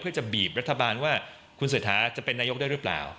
เพื่อจะบีบรัฐบาลว่าคุณเศรษฐาจะเป็นนายกได้หรือเปล่า